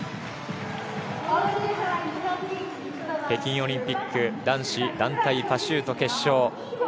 北京オリンピック男子団体パシュート決勝。